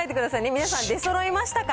皆さん、出そろいましたか。